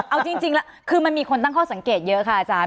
เอาจริงแล้วคือมันมีคนตั้งข้อสังเกตเยอะค่ะอาจารย